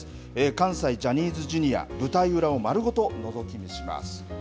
関西ジャニーズＪｒ．、舞台裏を丸ごとのぞき見します。